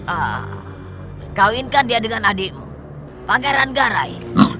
ah kau inginkan dia dengan adikmu pangeran garai